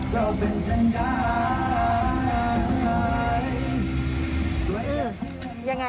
ก็เป็นฉันช่างไง